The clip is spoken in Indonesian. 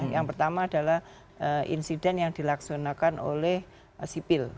yang pertama adalah insiden yang dilaksanakan oleh sipil